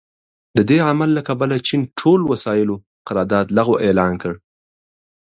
د دې عمل له کبله چین ټول وسايلو قرارداد لغوه اعلان کړ.